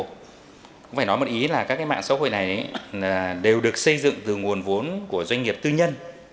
cũng phải nói một ý là các cái mạng xã hội này đều được xây dựng từ nguồn vốn của doanh nghiệp tư nhân